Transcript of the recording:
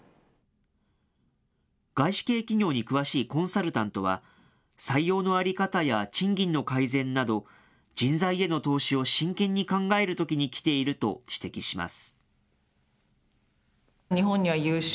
外資系企業に詳しいコンサルタントは、採用の在り方や賃金の改善など、人材への投資を真剣に考えるときにきていると指摘します。